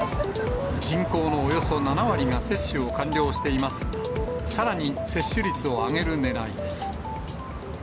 人口のおよそ７割が接種を完了していますが、さらに接種率を上げるねらいです。